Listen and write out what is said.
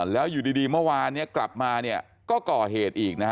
แล้วอยู่ดีเมื่อวานกลับมาก็ก่อเหตุอีก